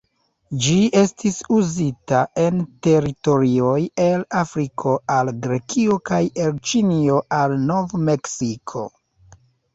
Ĝi estis uzita en teritorioj el Afriko al Grekio kaj el Ĉinio al Nov-Meksiko.